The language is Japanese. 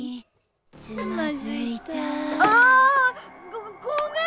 ごごごめん！